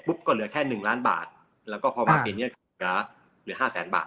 ปุ๊บก็เหลือแค่๑ล้านบาทแล้วก็พอมาเป็นเหลือ๕แสนบาท